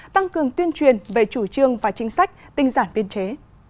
tăng cường tuyên truyền về chủ trương và chính sách tinh giản biên chế